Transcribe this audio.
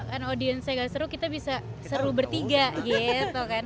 karena audiensnya gak seru kita bisa seru bertiga gitu kan